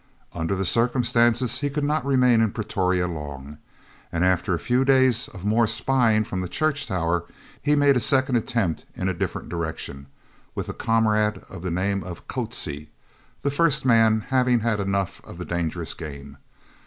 Under the circumstances he could not remain in Pretoria long, and after a few days of more spying from the church tower he made a second attempt in a different direction, with a comrade of the name of Coetzee, the first man having had enough of the dangerous game.